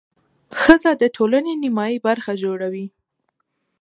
ښځه د ټولنې نیمایي برخه جوړوي.